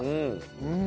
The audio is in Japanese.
うん。